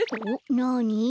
なに？